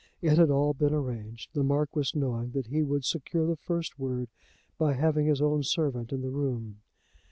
It had all been arranged, the Marquis knowing that he would secure the first word by having his own servant in the room.